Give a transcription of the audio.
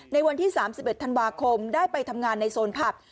ในวันที่๓๑ธันวาคมได้ไปทำงานในโซนผับ